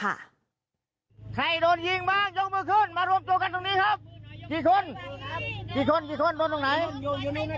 ใครโดนยิงบ้างยกมือขึ้นมารวมโจทย์กันตรงนี้ครับ